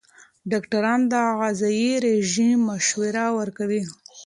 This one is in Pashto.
ډاکټران د غذايي رژیم مشوره ورکوي.